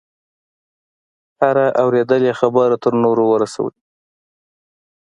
هره اورېدلې خبره تر نورو ورسوي.